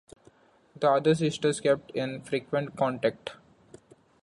The other sisters kept in frequent contact.